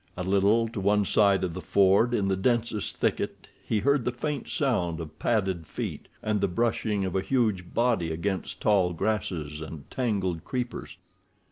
A little to one side of the ford in the densest thicket he heard the faint sound of padded feet, and the brushing of a huge body against tall grasses and tangled creepers.